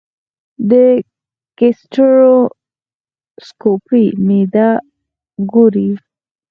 د ګیسټروسکوپي معده ګوري.